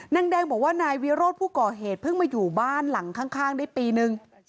นางแดงบอกว่านายวิโรธผู้ก่อเหตุเพิ่งมาอยู่บ้านหลังข้างได้ปีนึง